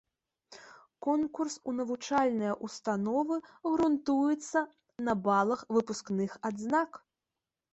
Конкурс у навучальныя ўстановы грунтуецца на балах выпускных адзнак.